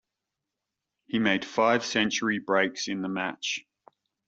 He made five century breaks in the match.